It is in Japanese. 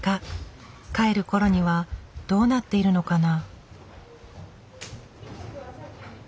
帰るころにはどうなっているのかな？